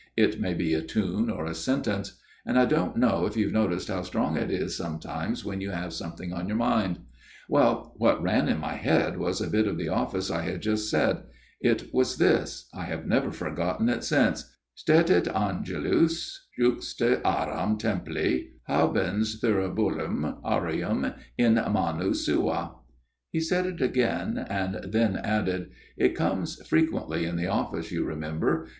It may be a tune or a sentence. And I don't know if you've noticed how strong it is sometimes when you have something on your mind. " Well, what ran in my head was a bit of the FATHER JENKS' TALE 161 Office I had just said. It was this I have never forgotten it since Stetit Angelus juxta aram templi habens thuribulum aureum in manu sua." He said it again ; and then added :" It comes frequently in the Office, you remem ber.